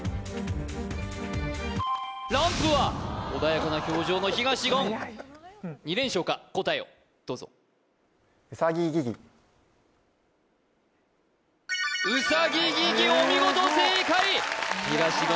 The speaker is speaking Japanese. ランプは穏やかな表情の東言はやい２連勝か答えをどうぞウサギギギお見事正解東言